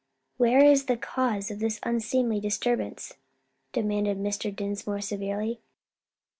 "Where is the cause of all this unseemly disturbance?" demanded Mr. Dinsmore severely.